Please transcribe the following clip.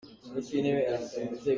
Nuai thong zakhat.